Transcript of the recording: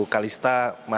kalista masih sempat terlihat